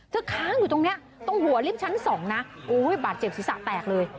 ค้างอยู่ตรงนี้ตรงหัวลิฟท์ชั้น๒นะโอ้ยบาดเจ็บศีรษะแตกเลย